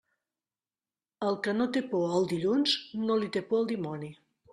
El que no té por al dilluns, no li té por al dimoni.